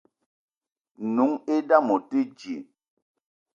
N'noung i dame o te dji.